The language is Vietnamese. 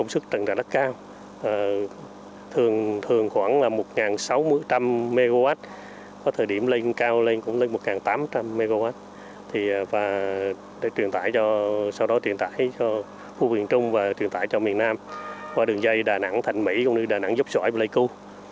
sản lượng truyền tải vào miền nam là hai chín mươi bảy tỷ kwh